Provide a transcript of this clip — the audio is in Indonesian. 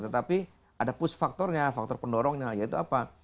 tetapi ada push faktornya faktor pendorongnya yaitu apa